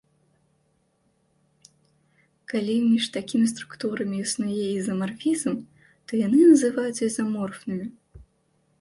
Калі між такімі структурамі існуе ізамарфізм, то яны называюцца ізаморфнымі.